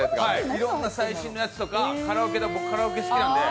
いろんな最新のやつとかカラオケ好きなんで。